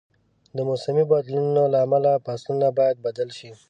د موسمي بدلونونو له امله فصلونه باید بدل شي.